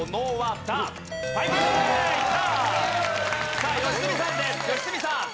さあ良純さんです良純さん。